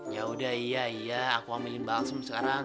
yaudah iya iya aku ambilin baksim sekarang